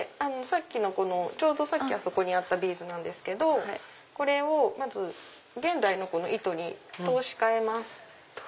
ちょうどさっきあそこにあったビーズなんですけどこれをまず現代の糸に通し替えます。